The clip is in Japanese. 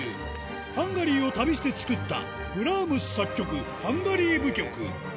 ハンガリーを旅して作ったブラームス作曲、ハンガリー舞曲。